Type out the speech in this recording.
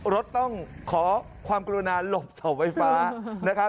รถต้องขอความกำลุนาหลบเสาไฟฟ้า